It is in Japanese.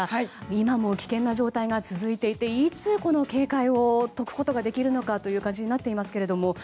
今も危険な状態が続いていて、いつこの警戒を解くことができるのかという感じになっていますけれども。